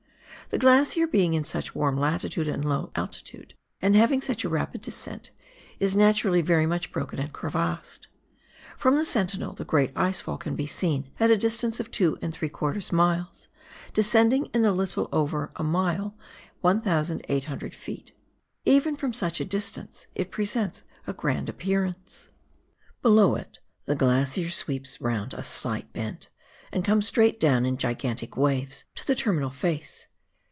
The glacier being in such a warm latitude and low altitude, and having such a rapid descent, is naturally very much broken and crevassed. From the Sentinel the great ice fall can be seen, at a distance of 2f miles, descending in a little over a mile 1,800 ft. Even from such a distance it presents a grand appearance. WAIHO RIVER FRANZ JOSEF GLACIER. 53 Below it the glacier sweeps round a slight bend and comes straight down in gigantic waves to the terminal face.